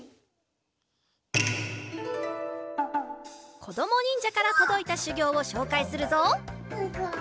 こどもにんじゃからとどいたしゅぎょうをしょうかいするぞ！